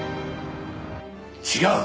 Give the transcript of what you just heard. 違う！